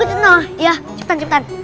iya cepetan cepetan